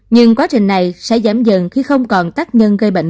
nhưng quá trình này sẽ giảm dần khi không còn tác nhân gây bệnh